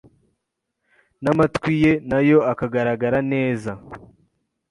n’amatwi ye nayo akagaragara neza.